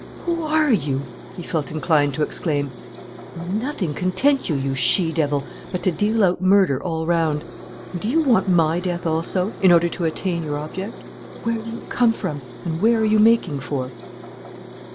Who are you?" he felt inclined to exclaim. "Will nothing content you, you she devil, but to deal out murder all round? And do you want my death also, in order to attain your object? Where do you come from and where are you making for?"